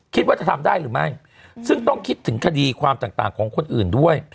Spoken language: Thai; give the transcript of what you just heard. คิดว่าจะทำได้หรือไม่ซึ่งต้องคิดถึงคดีความต่างของคนอื่นด้วย